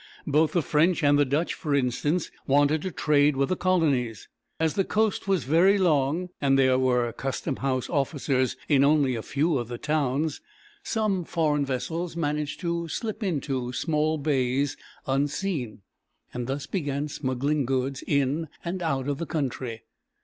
Both the French and the Dutch, for instance, wanted to trade with the colonies. As the coast was very long, and there were customhouse officers in only a few of the towns, some foreign vessels managed to slip into small bays unseen, and thus began smuggling goods in and out of the country.